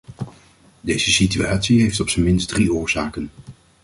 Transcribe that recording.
Deze situatie heeft op zijn minst drie oorzaken.